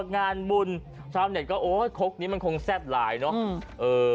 งานบุญชาวเน็ตก็โอ๊ยคกนี้มันคงแซ่บหลายเนอะ